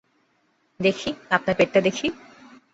দেখি, আপনার পেটটা দেখি।